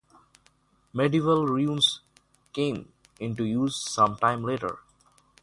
Medieval runes came into use some time later.